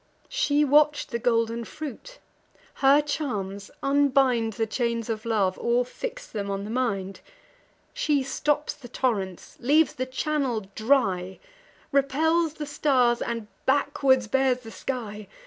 She watch'd the golden fruit; her charms unbind The chains of love, or fix them on the mind: She stops the torrents, leaves the channel dry, Repels the stars, and backward bears the sky.